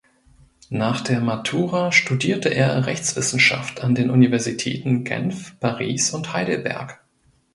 Nach der Matura studierte er Rechtswissenschaft an den Universitäten Genf, Paris und Heidelberg.